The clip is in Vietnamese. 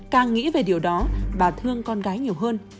càng nghĩ về điều đó bà thương con gái nhiều hơn